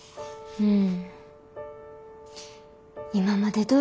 うん。